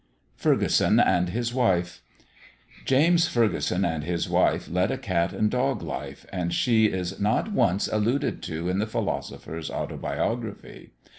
FERGUSON AND HIS WIFE. James Ferguson and his wife led a cat and dog life, and she is not once alluded to in the philosopher's autobiography.